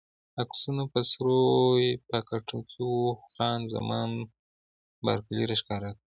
عکسونه په سرو پاکټو کې وو، خان زمان بارکلي راښکاره کړل.